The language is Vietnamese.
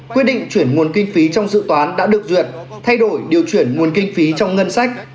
quyết định chuyển nguồn kinh phí trong dự toán đã được duyệt thay đổi điều chuyển nguồn kinh phí trong ngân sách